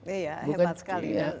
iya hebat sekali